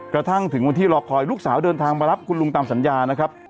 กระทั่งถึงวันที่รอคอยลูกสาวเดินทางมารับคุณลุงตามสัญญานะครับ